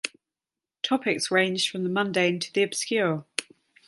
Topics ranged from the mundane to the obscure.